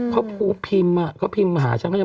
เค้าเพิ่มอ่ะเค้าพิมพ์หาเล่างด้วยนะ